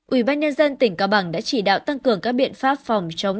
ủy ban nhân dân tỉnh cao bằng đã chỉ đạo tăng cường các biện pháp phòng chống